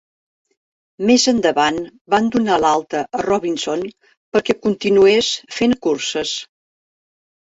Més endavant van donar l'alta a Robinson perquè continues fent curses.